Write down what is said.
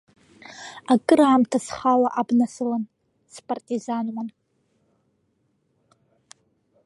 Акыраамҭа схала абна сылан, спартизануан.